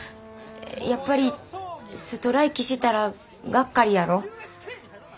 やっぱりストライキしたらがっかりやろ？